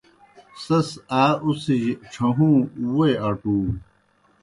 سیْس آ اُڅِھجیْ ڇھہُوں ووئی اٹُو۔